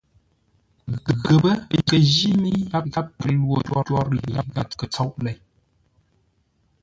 Ghəpə́ kə jí mə́i gháp kə lwo twôr yi gháp kə tsóʼ lei.